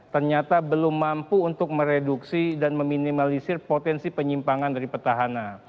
ternyata belum mampu untuk mereduksi dan meminimalisir potensi penyimpangan dari petahana